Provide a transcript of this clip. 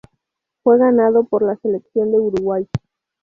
Fue ganado por la selección de Uruguay.